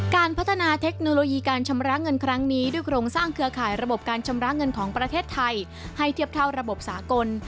การพัฒนาเทคโนโลยีการชำระเงินครั้งนี้ด้วยโครงสร้างเครือข่ายระบบการชำระเงินของประเทศไทยให้เทียบเท่าระบบสากล